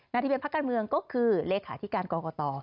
ทะเบียนพักการเมืองก็คือเลขาธิการกรกต